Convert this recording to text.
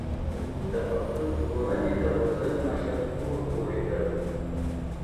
د پښتون ژغورنې د غورځنګ مشر تور پورې کړ